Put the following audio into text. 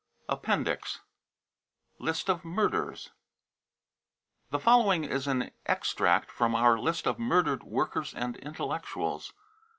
* Appendix: LIST OF MURDERS The following is an extract from our list of mur dered workers and intellectuals.